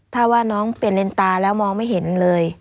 ถ้าว่าน้องเปลี่ยนเลนตาแล้วมองไม่เห็นเลย